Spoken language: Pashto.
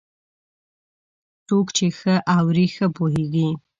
څوک چې ښه اوري، ښه پوهېږي.